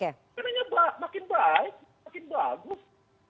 karena makin baik makin bagus